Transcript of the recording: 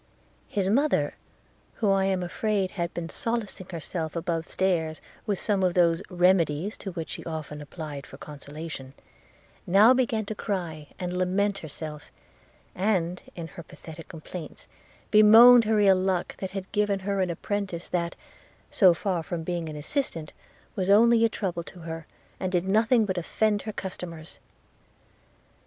His mother, who I am afraid had been solacing herself above stairs with some of those remedies to which she often applied for consolation, now began to cry and lament herself; and, in her pathetic complaints, bemoaned her ill luck that had given her an apprentice that, so far from being an assistant, was only a trouble to her, and did nothing but offend her customers.